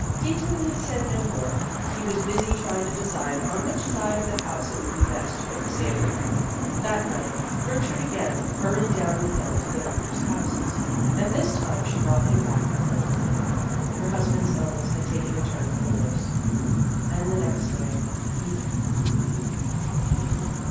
Dieterli said no more. He was busy trying to decide on which side of the house it would be best to put the stable. That night, Gertrude again hurried down the hill to the doctor's houses and this time she brought him back with her. Her husband's illness had taken a turn for the worse, and the next day he died.